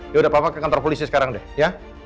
yaudah papa ke kantor polisi sekarang deh ya